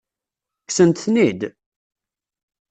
Kksent-ten-id?